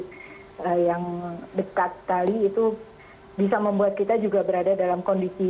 jadi yang dekat sekali itu bisa membuat kita juga berada dalam kondisi